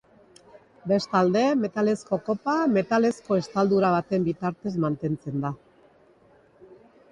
Bestalde, metalezko kopa, metalezko estaldura baten bitartez mantentzen da.